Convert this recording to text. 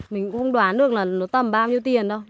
mình cũng không đoán được là nó tầm bao nhiêu tiền đâu